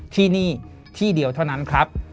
ที่นี่ที่เดียวเท่านั้นครับ